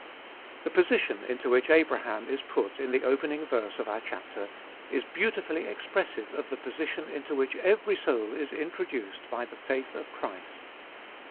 The position into which Abraham is put in the opening verse of our chapter, is beautifully expressive of the position into which every soul is introduced by the faith of Christ.